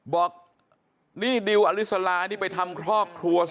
บอกนี่ดิวอลิสารานี่ไปทำครอกทัวร์๔วัน